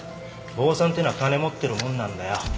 坊さんってのは金持ってるもんなんだよ。